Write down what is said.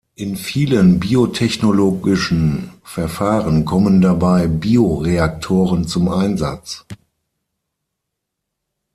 In vielen biotechnologischen Verfahren kommen dabei Bioreaktoren zum Einsatz.